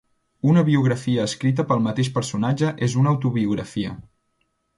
Una biografia escrita pel mateix personatge és una autobiografia.